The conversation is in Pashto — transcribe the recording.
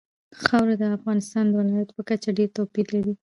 خاوره د افغانستان د ولایاتو په کچه ډېر توپیر لري.